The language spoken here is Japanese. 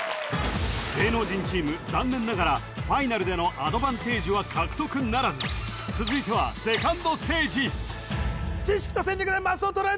芸能人チーム残念ながらファイナルでのアドバンテージは獲得ならず続いてはセカンドステージ知識と戦略でマスを取れ！